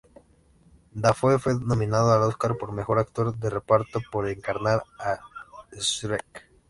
Dafoe fue nominado al Oscar por Mejor Actor de Reparto por encarnar a Schreck.